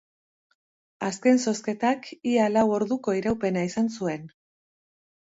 Azken zozketak ia lau orduko iraupena izan zuen.